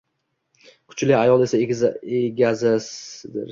Kuchli ayol esa egasizdir.